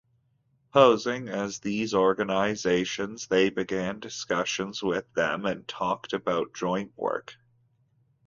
Posing as these organisations, they began discussions with them and talked about joint work.